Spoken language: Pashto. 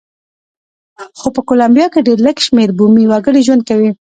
خو په کولمبیا کې ډېر لږ شمېر بومي وګړي ژوند کوي.